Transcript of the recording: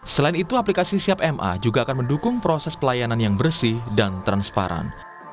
selain itu aplikasi siap ma juga akan mendukung proses pelayanan yang bersih dan transparan